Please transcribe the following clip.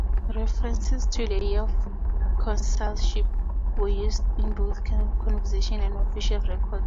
References to the year of consulship were used in both conversation and official records.